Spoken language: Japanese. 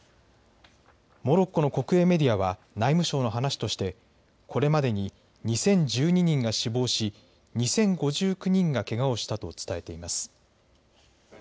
モロッコの国営メディアは内務省の話としてこれまでに２０１２人が死亡し２０５９人がけがをしたと伝えています。